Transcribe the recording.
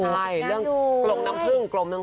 กลมน้ำกรึ้ง